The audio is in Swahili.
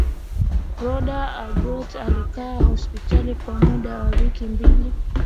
roda abbott alikaa hospitalini kwa muda wa wiki mbili